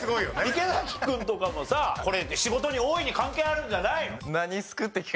池君とかもさこれ仕事に大いに関係あるんじゃないの？